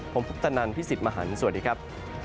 ผมพุทธนันต์พิศิษฐ์มหันธ์สวัสดีครับ